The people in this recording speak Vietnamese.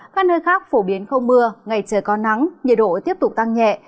các nơi khác phổ biến không mưa ngày trời có nắng nhiệt độ tiếp tục tăng nhẹ